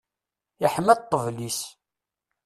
Iḥma ṭṭbel-is.